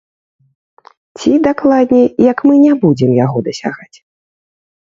Ці, дакладней, як мы не будзем яго дасягаць.